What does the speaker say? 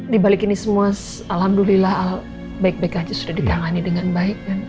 di balik ini semua alhamdulillah baik baik saja sudah ditangani dengan baik